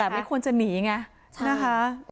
แต่ไม่ควรจะหนีไงใช่นะคะ